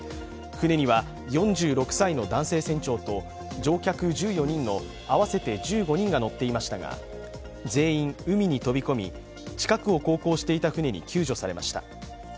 船には４６歳の男性船長と乗客１４人の合わせて１５人が乗っていましたが、全員、海に飛び込み、近くを航行していた船に救助されました。